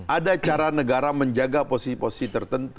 ada cara negara menjaga posisi posisi tertentu